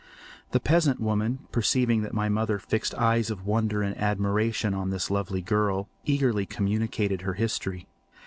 The peasant woman, perceiving that my mother fixed eyes of wonder and admiration on this lovely girl, eagerly communicated her history.